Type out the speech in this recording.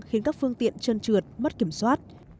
khiến các phương tiện trơn trượt mất kiểm soát